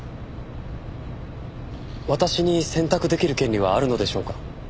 私に選択できる権利はあるのでしょうか？